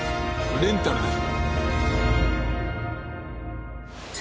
レンタルだ。